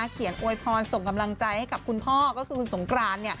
อวยพรส่งกำลังใจให้กับคุณพ่อก็คือคุณสงกราน